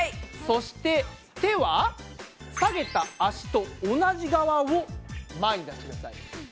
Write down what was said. そして手は下げた足と同じ側を前に出してください。